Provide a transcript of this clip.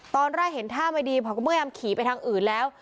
ตอนแรกเห็นท่าไม่ดีพอก็พยายามขี่ไปทางอื่นแล้ว